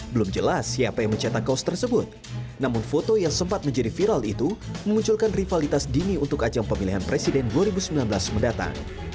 belum jelas siapa yang mencetak kaos tersebut namun foto yang sempat menjadi viral itu memunculkan rivalitas dini untuk ajang pemilihan presiden dua ribu sembilan belas mendatang